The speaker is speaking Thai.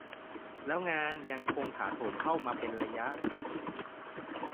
เรื่องงานยังคงถาโถมเข้ามาเป็นระยะ